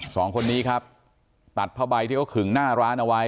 สองคนนี้ครับตัดผ้าใบที่เขาขึงหน้าร้านเอาไว้